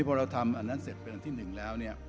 พอเราทำอันนั้นเสร็จเป็นอันที่หนึ่งแล้ว